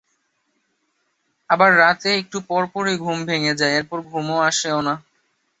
আবার রাতে একটু পরপরই ঘুম ভেঙ্গে যায়, এরপর ঘুম আসেও না।